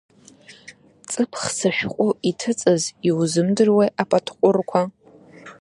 Ҵыԥх сышәҟәы иҭыҵыз, иузымдыруеи Апатҟәырқәа?